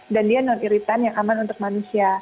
dan dia non iritan yang aman untuk manusia